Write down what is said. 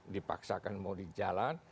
dipaksakan mau di jalan